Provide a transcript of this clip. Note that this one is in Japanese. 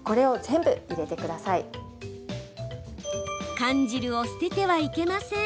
缶汁を捨ててはいけません。